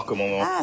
あ。